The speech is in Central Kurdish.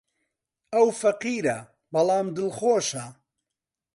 ئەو فەقیرە، بەڵام دڵخۆشە.